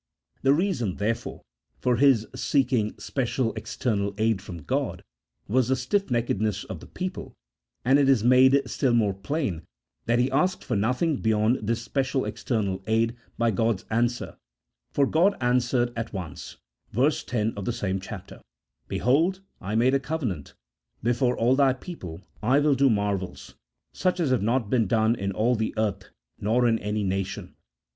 The reason, therefore, for his seeking special external aid from God was the stiffnecked ness of the people, and it is made still more plain, that he asked for nothing beyond this special external aid by God's answer — for God answered at once (verse 10 of the same chapter) — "Behold, I make a covenant : before all Thy people I will do marvels, such as have not been done in all the earth, nor in any nation."